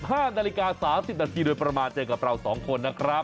ห้านาฬิกาสามสิบนาทีโดยประมาณเจอกับเราสองคนนะครับ